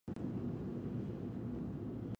ښوونځی نجونې د روښانه بحثونو عادت پالي.